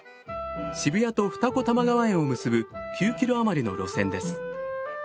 渋谷と二子玉川園を結ぶ９キロ余りの路線です。